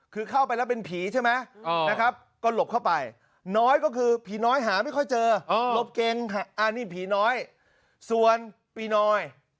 คือเข้าไปแล้วเป็นผีใช่ไหมก็หลบเข้าไปน้อยก็คือผีน้อยหาไม่ค่อยเจอหลบเก่งอันนี้ผีน้อย